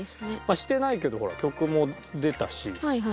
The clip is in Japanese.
してないけどほら曲も出たし。